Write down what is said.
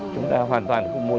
chúng ta hoàn toàn không muốn